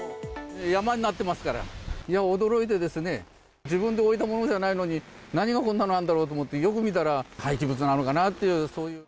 山になってますから、いや、驚いてですね、自分で置いたものじゃないのに、何がこんなのあるんだろうと思って、よく見たら、廃棄物なのかなっていう。